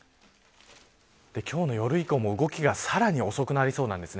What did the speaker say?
今日の夜以降も動きがさらに遅くなりそうなんです。